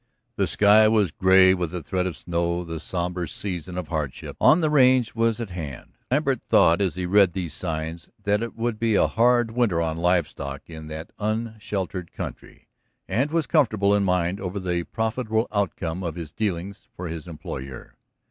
The sky was gray with the threat of snow, the somber season of hardship on the range was at hand. Lambert thought, as he read these signs, that it would be a hard winter on livestock in that unsheltered country, and was comfortable in mind over the profitable outcome of his dealings for his employer.